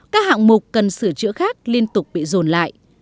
các hạng mục cần sửa chữa khác liên tục bị dồn lại